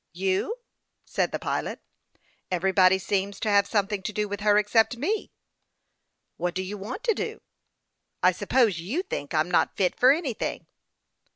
" You ?" said the pilot. " Everybody seems to have something to do with her except me." " What do you want to do ?"" I suppose you think I'm not fit for anything."